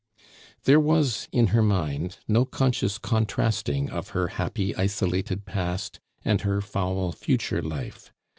There was, in her mind, no conscious contrasting of her happy isolated past and her foul future life.